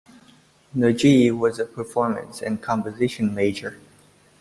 Najee was a performance and composition major.